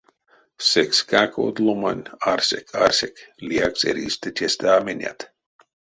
Секскак, од ломань, арсек, арсек, лиякс эрийстэ тестэ а менят.